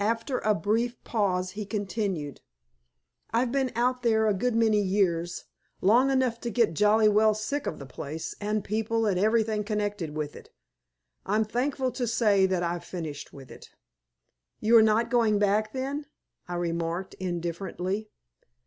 After a brief pause he continued "I've been out there a good many years. Long enough to get jolly well sick of the place and people and everything connected with it. I'm thankful to say that I've finished with it." "You are not going back, then," I remarked, indifferently.